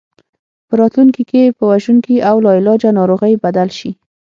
په راتلونکي کې په وژونکي او لاعلاجه ناروغۍ بدل شي.